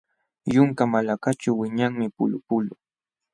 Yunka malakaćhu wiñanmi pulupulu.